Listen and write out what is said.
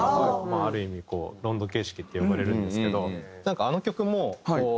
ある意味こうロンド形式って呼ばれるんですけどあの曲もこう。